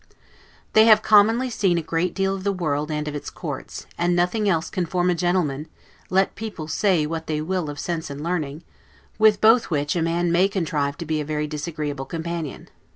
They have commonly seen a great deal of the world, and of courts; and nothing else can form a gentleman, let people say what they will of sense and learning; with both which a man may contrive to be a very disagreeable companion.